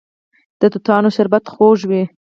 د توتانو شربت خوږ وي.